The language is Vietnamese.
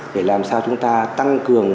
để làm sao chúng ta tăng cường